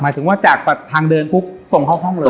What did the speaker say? หมายถึงว่าจากทางเดินปุ๊บตรงเข้าห้องเลยเหรอ